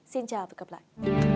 xin chào và gặp lại